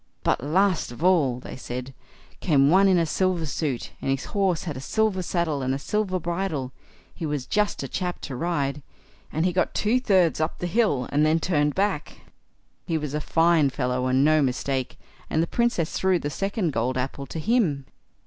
"But, last of all", they said, "came one in a silver suit, and his horse had a silver saddle and a silver bridle. He was just a chap to ride; and he got two thirds up the hill, and then turned back. He was a fine fellow, and no mistake; and the Princess threw the second gold apple to him."